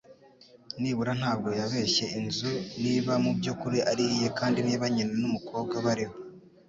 Nibura ntabwo yabeshye inzu ... niba mubyukuri ari iye, kandi niba nyina numukobwa bariho.